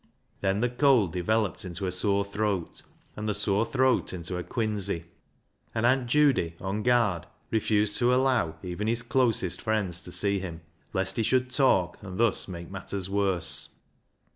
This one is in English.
Then the cold developed into a sore throat, and the sore throat into a quinsy, and Aunt Judy, on guard, refused to allow even his closest friends to see him, lest he should talk and thus make matters worse.